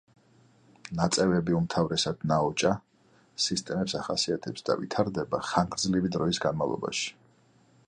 ნაწევები უმთავრესად ნაოჭა სისტემებს ახასიათებს და ვითარდება ხანგრძლივი დროის განმავლობაში.